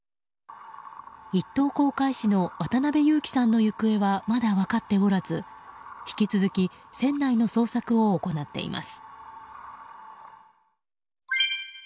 一等航海士の渡辺侑樹さんの行方はまだ分かっておらず、引き続き船内の捜索を行っています。